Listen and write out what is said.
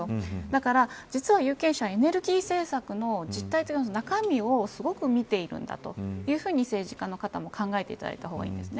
だから実は有権者はエネルギー政策の事態の中身をすごく見ているんだと政治家の方も考えていただいた方が、いいんです。